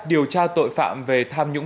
điều tra tội phạm về tham nhũng